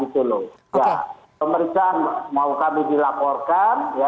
pemeriksaan mau kami dilaporkan